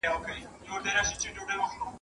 په لقمان اعتبار نسته په درمان اعتبار نسته ..